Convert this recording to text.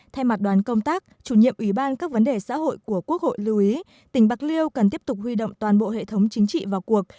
thay mặt đoàn công tác chủ nhiệm ủy ban các vấn đề xã hội của quốc hội lưu ý tỉnh bạc liêu cần tiếp tục huy động toàn bộ hệ thống chính trị vào cuộc